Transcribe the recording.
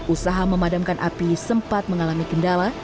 usaha memadamkan api sempat mengalami kendala